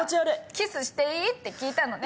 キスしていい？って聞いたのね。